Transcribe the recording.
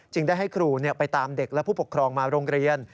ได้ให้ครูไปตามเด็กและผู้ปกครองมาโรงเรียน